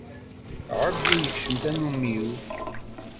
Ɛeggu yekcem tannumi-w.